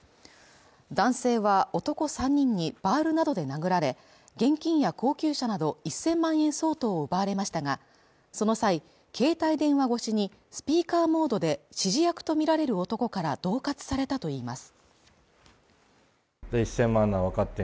男性は男３人にバールなどで殴られ現金や高級車など１０００万円相当を奪われましたがその際携帯電話越しにスピーカーモードで指示役とみられる男から恫喝されたといいます